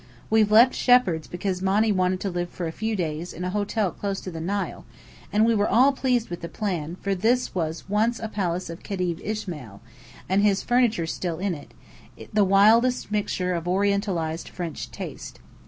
We've left Shepheard's because Monny wanted to live for a few days in a hotel close to the Nile; and we were all pleased with the plan, for this was once a palace of Khedive Ismael, and his furniture's still in it, the wildest mixture of Orientalized French taste.